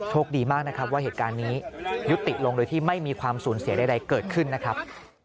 ดีมากนะครับว่าเหตุการณ์นี้ยุติลงโดยที่ไม่มีความสูญเสียใดเกิดขึ้นนะครับ